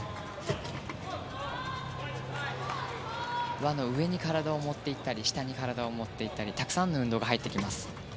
輪の上に体を持っていったり下に持っていったりたくさんの運動が入ってきます。